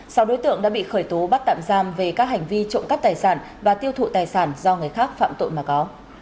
sau đối tượng đã bị khởi tố bắt tạm giam về các hành vi trộm cắp tài sản và tiêu thụ tài sản do người khác phạm tội mà có